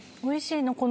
おいしいの。